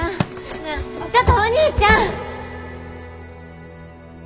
なあちょっとお兄ちゃん！